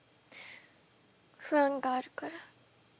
不安があるから。